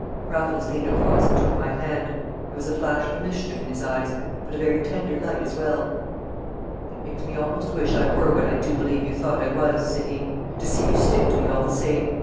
Raffles leant across and took my hand. There was a flash of mischief in his eyes, but a very tender light as well. "It makes me almost wish I were what I do believe you thought I was," said he, "to see you stick to me all the same!